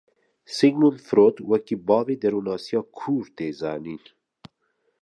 Sigmund Freud wekî bavê derûnnasiya kûr tê zanîn.